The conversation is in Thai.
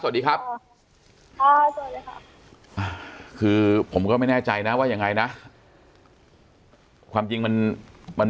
สวัสดีครับสวัสดีครับคือผมก็ไม่แน่ใจนะว่ายังไงนะความจริงมันมัน